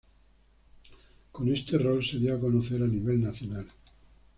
Con este rol se dio a conocer a nivel nacional.